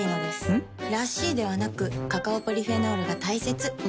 ん？らしいではなくカカオポリフェノールが大切なんです。